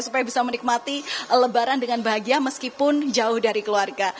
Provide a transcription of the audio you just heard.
supaya bisa menikmati lebaran dengan bahagia meskipun jauh dari keluarga